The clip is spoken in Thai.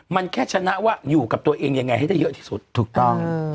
มันแค่ชนะว่าอยู่กับตัวเองยังไงให้ได้เยอะที่สุดถูกต้อง